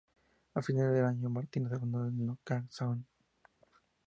A finales del año Martínez abandonó el Nootka Sound.